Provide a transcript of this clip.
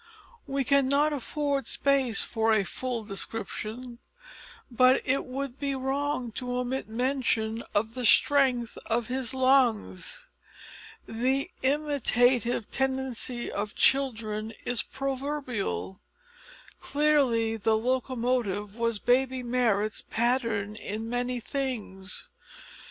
We cannot afford space for a full description, but it would be wrong to omit mention of the strength of his lungs. The imitative tendency of children is proverbial. Clearly the locomotive was baby Marrot's pattern in many things.